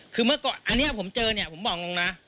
คือเมื่อก่อนอันนี้ผมเจอเนี่ยผมบอกตรงนะ